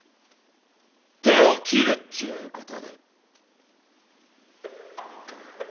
手を切るっちゅうことで。